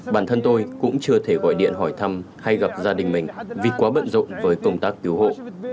bản thân tôi cũng chưa thể gọi điện hỏi thăm hay gặp gia đình mình vì quá bận rộn với công tác cứu hộ